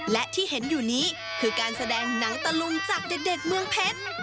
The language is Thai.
และที่เห็นอยู่นี้คือการแสดงหนังตะลุงจากเด็กเมืองเพชร